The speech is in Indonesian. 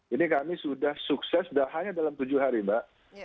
ini kami sudah sukses sudah hanya dalam tujuh hari mbak